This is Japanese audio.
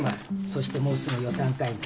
そしてもうすぐ予算会議。